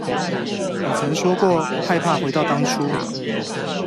你曾說過害怕回到當初